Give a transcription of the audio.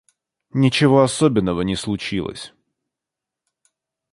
Ничего особенного не случилось.